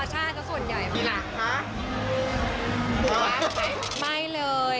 หนูล้อเล่นกันเลย